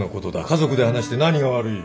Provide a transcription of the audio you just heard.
家族で話して何が悪い。